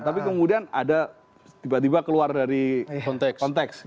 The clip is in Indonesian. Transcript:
tapi kemudian ada tiba tiba keluar dari konteks